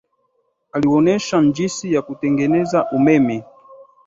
Aliwaonyesha jinsi ya kutengeneza umeme